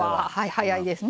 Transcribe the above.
早いですね。